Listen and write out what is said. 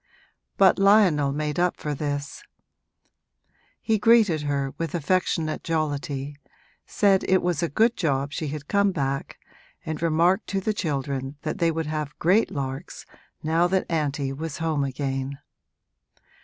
But Lionel made up for this; he greeted her with affectionate jollity, said it was a good job she had come back, and remarked to the children that they would have great larks now that auntie was home again.